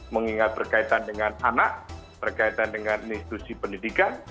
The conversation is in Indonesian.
mengingat berkaitan dengan anak berkaitan dengan institusi pendidikan